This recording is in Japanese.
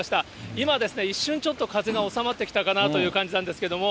今、一瞬ちょっと風が収まってきたかなという感じなんですけど。